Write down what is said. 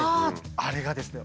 あれがですね